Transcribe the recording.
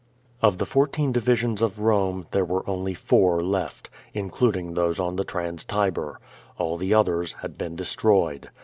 Of the fourteen divisions of RomctTiere were only four left — ^including those on the Trans Tiber. All the others had been destroyed.